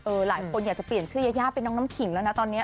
หลายคนอยากจะเปลี่ยนชื่อยายาเป็นน้องน้ำขิงแล้วนะตอนนี้